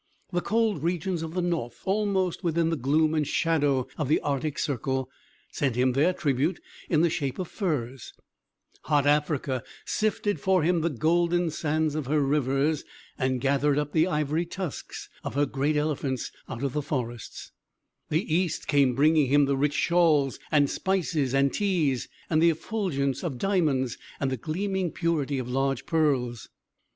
The cold regions of the north, almost within the gloom and shadow of the Arctic Circle, sent him their tribute in the shape of furs; hot Africa sifted for him the golden sands of her rivers, and gathered up the ivory tusks of her great elephants out of the forests; the East came bringing him the rich shawls, and spices, and teas, and the effulgence of diamonds, and the gleaming purity of large pearls.